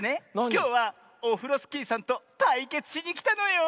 きょうはオフロスキーさんとたいけつしにきたのよ！